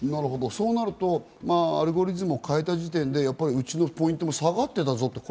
そうなるとアルゴリズムを変えた時点で、うちのポイントも下がってたぞと。